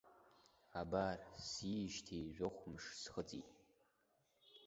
Абар сышьҭеижьҭеи жәохә мшы схыҵит.